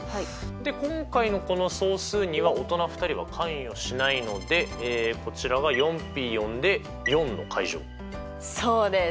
で今回のこの総数には大人２人は関与しないのでこちらがそうです。